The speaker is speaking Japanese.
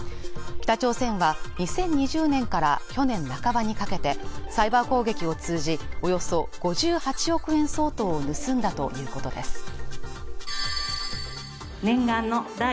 北朝鮮は２０２０年から去年半ばにかけてサイバー攻撃を通じおよそ５８億円相当を盗んだということです